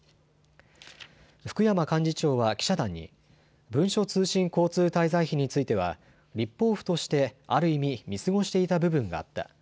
福山幹事長は記者団に文書通信交通滞在費については立法府としてある意味、見過ごしていた部分があった。